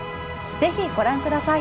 ぜひご覧ください